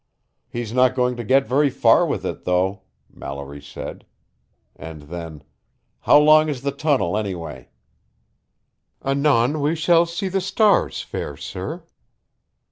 "He's not going to get very far with it, though," Mallory said. And then, "How long is the tunnel anyway?" "Anon we shall see the stars, fair sir."